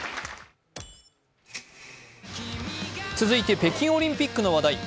続いて北京オリンピックの話題。